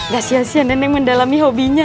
gak sia sia neneng mendalami hobinya